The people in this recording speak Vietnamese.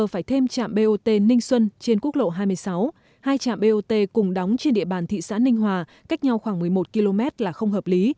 hai trạm bot cùng đóng trên địa bàn thị xã ninh hòa cách nhau khoảng một mươi một km là không hợp lý